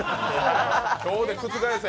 今日で覆せ！